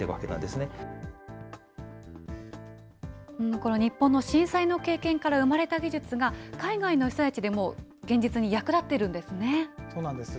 この日本の震災の経験から生まれた技術が、海外の被災地でも、そうなんですよ。